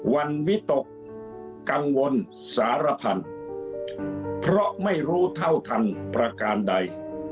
วิตกกังวลสารพันธุ์เพราะไม่รู้เท่าทันประการใด